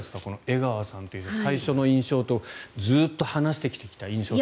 江川さんという最初の印象とずっと話してきた印象と。